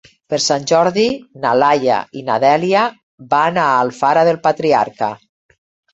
Per Sant Jordi na Laia i na Dèlia van a Alfara del Patriarca.